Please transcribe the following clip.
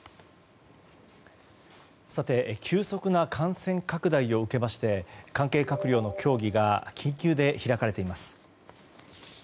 さて、急速な感染拡大を受けまして関係閣僚の協議が緊急で開かれています。